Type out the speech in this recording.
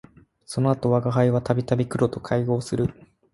その後吾輩は度々黒と邂逅する